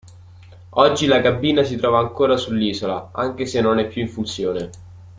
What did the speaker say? Oggi la cabina si trova ancora sull'isola, anche se non è più in funzione.